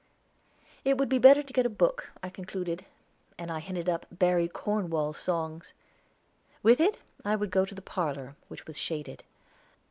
It would be better to get a book, I concluded, and hunted up Barry Cornwall's songs. With it I would go to the parlor, which was shaded.